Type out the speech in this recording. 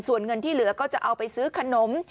ส่วนเงินที่เหลือก็จะเอาไปซื้อขนม